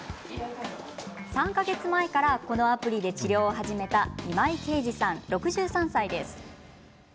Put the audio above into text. ３か月前からこのアプリで治療を始めた今井敬司さん、６３歳です。